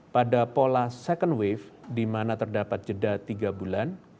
pada pola second wave di mana terdapat jeda tiga bulan